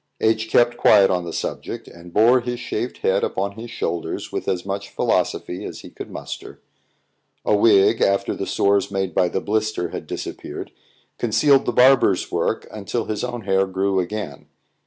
H kept quiet on the subject, and bore his shaved head upon his shoulders with as much philosophy as he could muster. A wig, after the sores made by the blister had disappeared, concealed the barber's work until his own hair grew again.